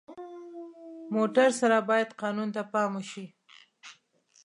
موټر سره باید قانون ته پام وشي.